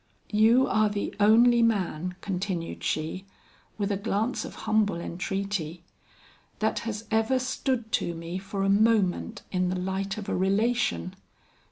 "You are the only man," continued she, with a glance of humble entreaty, "that has ever stood to me for a moment in the light of a relation.